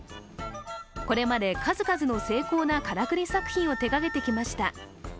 これまで数々の精巧なからくり作品を手がけてきました。